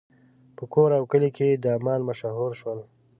په کور او کلي پر دامان مشهور شول.